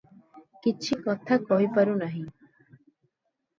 କିଛି କଥା କହିପାରୁ ନାହିଁ ।